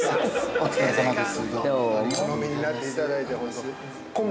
お疲れさまです。